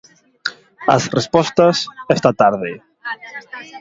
As respostas, esta tarde.